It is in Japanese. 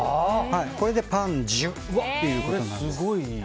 これでパンジュということになるんです。